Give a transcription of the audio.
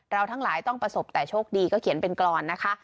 ทั้งหลายต้องประสบแต่โชคดีก็เขียนเป็นกรอนนะคะ